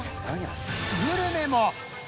グルメも！